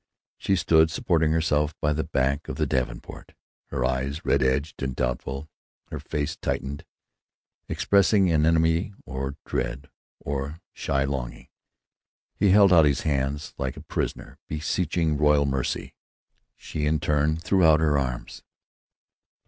She stood supporting herself by the back of the davenport, her eyes red edged and doubtful, her face tightened, expressing enmity or dread or shy longing. He held out his hands, like a prisoner beseeching royal mercy. She in turn threw out her arms.